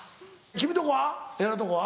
君のとこは？